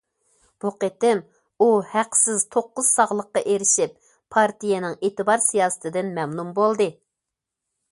بۇ قېتىم ئۇ ھەقسىز توققۇز ساغلىققا ئېرىشىپ، پارتىيەنىڭ ئېتىبار سىياسىتىدىن مەمنۇن بولدى.